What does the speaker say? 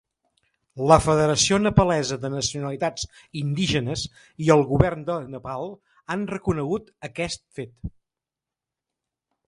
La Federació Nepalesa de Nacionalitats Indígenes i el govern de Nepal han reconegut aquest fet.